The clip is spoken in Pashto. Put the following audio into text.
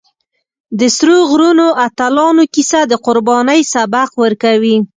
د سرو غرونو اتلانو کیسه د قربانۍ سبق ورکوي.